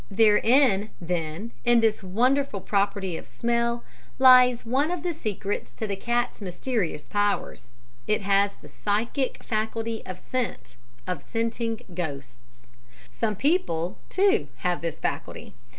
"Therein then in this wonderful property of smell lies one of the secrets to the cat's mysterious powers, it has the psychic faculty of scent of scenting ghosts. Some people, too, have this faculty.